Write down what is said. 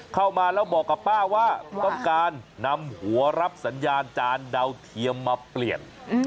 เข้ามาแล้วบอกกับป้าว่าต้องการนำหัวรับสัญญาณจานดาวเทียมมาเปลี่ยน